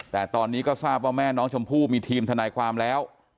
แต่ตอนนี้ก็ทราบว่าแม่น้องชมพู่มีทีมทนายความแล้ว